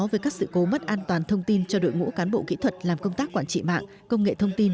với các sự cố mất an toàn thông tin cho đội ngũ cán bộ kỹ thuật làm công tác quản trị mạng công nghệ thông tin